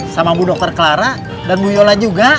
sama bu dokter clara dan bu yola juga